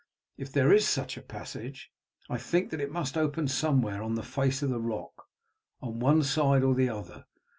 If there is such a passage I think that it must open somewhere on the face of the rock, on one side or the other.